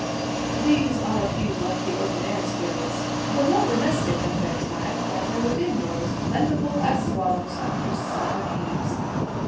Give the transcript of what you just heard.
These are a few of the open air spirits ; the more domestic of their tribe gather within doors, plentiful as swallows under southern eaves.